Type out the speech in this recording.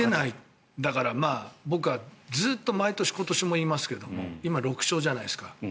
だから、僕はずっと毎年今年も言いますけど今６勝じゃないですか。